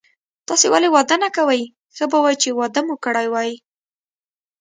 تاسي ولي واده نه کوئ، ښه به وای چي واده مو کړی وای.